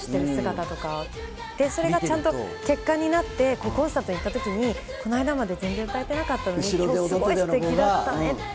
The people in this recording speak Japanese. それがちゃんと結果になってコンサート行った時にこの間まで全然歌えてなかったのに今日すごいステキだったねって。